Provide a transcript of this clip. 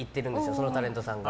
そのタレントさんが。